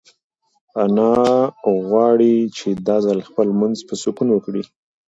انا غواړي چې دا ځل خپل لمونځ په سکون وکړي.